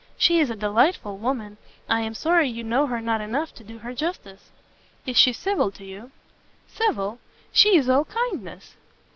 She is a delightful woman; I am sorry you know her not enough to do her justice." "Is she civil to you?" "Civil? she is all kindness!"